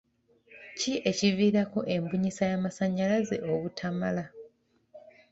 Ki ekiviirako embunyisa y'amasannyalaze obutamala?